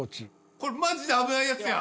これマジで危ないやつやん。